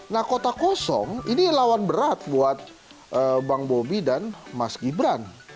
nah kota kosong ini lawan berat buat bang bobi dan mas gibran